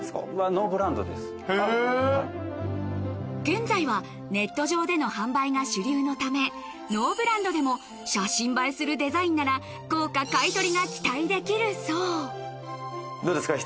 現在はネット上での販売が主流のためノーブランドでも写真映えするデザインなら高価買い取りが期待できるそうどうですか？